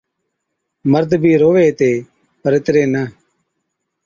مرد بِي رووَي ھِتي پر اِتري نہ